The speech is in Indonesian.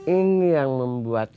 ini yang membuat